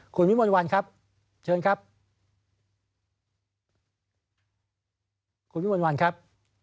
คุณวิมวลวันครับ